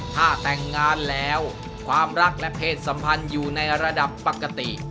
ถ้าแต่งงานแล้วความรักและเพศสัมพันธ์อยู่ในระดับปกติ